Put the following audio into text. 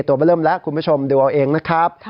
มาเริ่มแล้วคุณผู้ชมดูเอาเองนะครับ